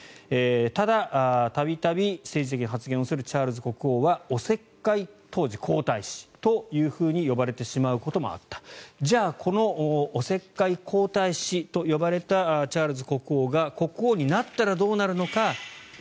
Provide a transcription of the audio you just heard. ただ、度々、政治的発言をするチャールズ国王はおせっかい皇太子と当時呼ばれてしまうこともあったじゃあこのおせっかい皇太子と呼ばれたチャールズ国王が国王になったらどうなるのか。